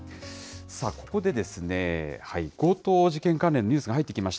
ここでですね、強盗事件関連のニュースが入ってきました。